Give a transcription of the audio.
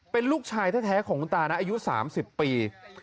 เป็นลูกชายแท้ของคุณตานะอายุ๓๐ปี